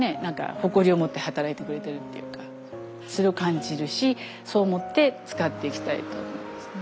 誇りを持って働いてくれているっていうかそれを感じるしそう思って使っていきたいと思いますね。